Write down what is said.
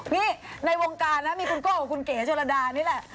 นี่ในวงการนะมีคุณโก้กับคุณเก๋ชนระดานี่แหละ